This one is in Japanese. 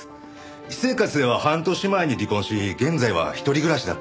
私生活では半年前に離婚し現在は一人暮らしだったとか。